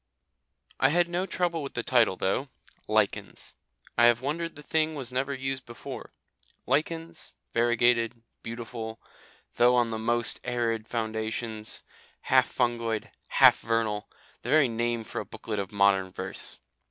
I had no trouble with the title though "Lichens." I have wondered the thing was never used before. Lichens, variegated, beautiful, though on the most arid foundations, half fungoid, half vernal the very name for a booklet of modern verse.